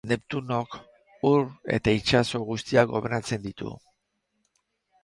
Neptunok, ur eta itsaso guztiak gobernatzen ditu.